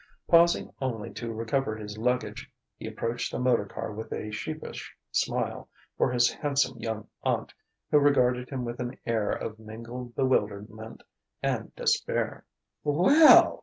Pausing only to recover his luggage, he approached the motor car with a sheepish smile for his handsome young aunt, who regarded him with an air of mingled bewilderment and despair. "Wel l!"